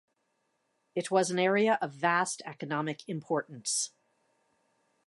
It was an area of vast economic importance.